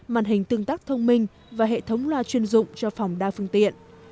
màn hình tương tác thông minh và hệ thống loa chuyên dụng cho phòng đa phương tiện